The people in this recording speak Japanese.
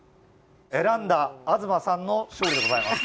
選んだ東さんの勝利でございます。